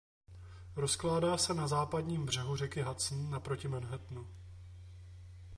Rozkládá se na západním břehu řeky Hudson naproti Manhattanu.